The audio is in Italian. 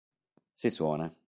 Si suona".